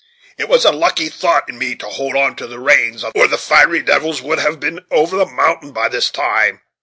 it was a lucky thought in me to hold on to the reins, or the fiery devils would have been over the mountain by this time.